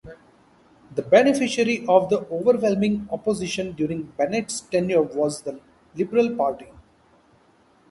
The beneficiary of the overwhelming opposition during Bennett's tenure was the Liberal Party.